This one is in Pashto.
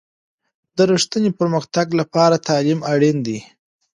د رښتیني پرمختګ لپاره تعلیم اړین دی.